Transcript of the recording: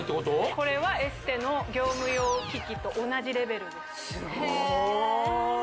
これはエステの業務用機器と同じレベルですすごい！